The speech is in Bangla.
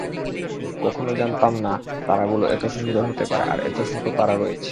কখনও জানতাম না তারাগুলো এত সুন্দর হতে পারে, আর এত শত তারা রয়েছে।